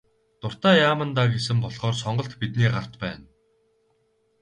Дуртай яамандаа гэсэн болохоор сонголт бидний гарт байна.